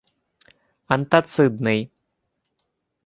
антацидний